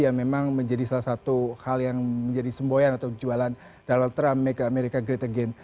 yang memang menjadi salah satu hal yang menjadi semboyan atau jualan donald trump ke amerika great again